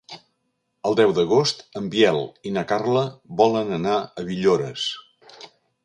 El deu d'agost en Biel i na Carla volen anar a Villores.